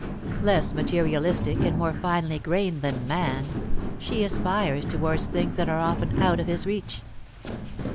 Less materialistic and more finely grained than Man, she aspires toward things that are often out of his reach.